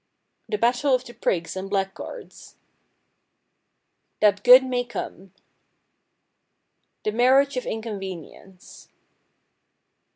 The Battle of the Prigs and Blackguards. That Good may Come. The Marriage of Inconvenience.